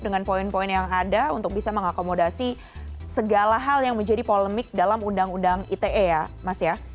dengan poin poin yang ada untuk bisa mengakomodasi segala hal yang menjadi polemik dalam undang undang ite ya mas ya